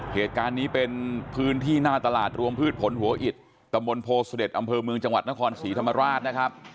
เหตุการณ์นี้เป็นเพื่อใครพบเจอนะครับเหตุการณ์นี้เป็นเพื่อใครพบเจอนะครับ